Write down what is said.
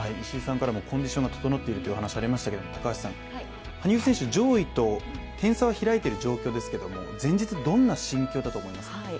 石井さんからもコンディションが整っているというお話がありましたけれども、羽生選手、上位と点差は開いている状況ですけれども前日、どんな心境だと思いますか？